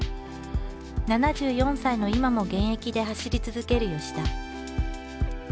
７４歳の今も現役で走り続ける田。